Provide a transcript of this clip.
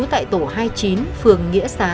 tại tổ hai mươi chín phường nghĩa xá